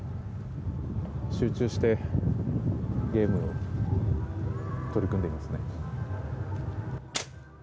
集中してゲームに取り組んでいますね。